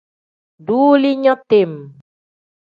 Duulinya tem.